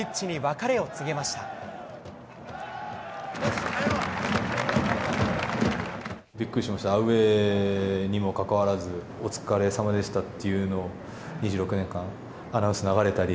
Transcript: ありがとう！びっくりしました、アウエーにもかかわらず、お疲れさまでしたっていうのを、２６年間、アナウンス流れたり。